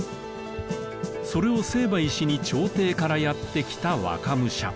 それを成敗しに朝廷からやって来た若武者。